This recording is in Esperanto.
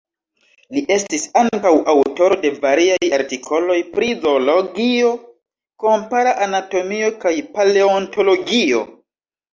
Li estis ankaŭ aŭtoro de variaj artikoloj pri zoologio, kompara anatomio kaj paleontologio.